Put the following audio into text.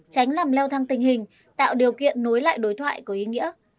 tránh làm leo thăng tình hình tạo điều kiện nối lại đối thoại có ý nghĩa